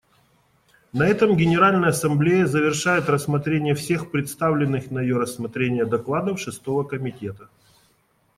На этом Генеральная Ассамблея завершает рассмотрение всех представленных на ее рассмотрение докладов Шестого комитета.